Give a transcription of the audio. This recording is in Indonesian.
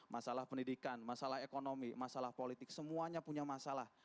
masalah pendidikan masalah ekonomi masalah politik semuanya punya masalah